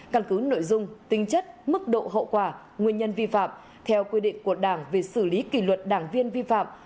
căn cứ nội dung tính chất mức độ hậu quả nguyên nhân vi phạm theo quy định của đảng về xử lý kỷ luật đảng viên vi phạm